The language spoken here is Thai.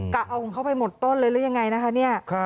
กะเอาของเขาไปหมดต้นเลยหรือยังไงนะคะเนี่ย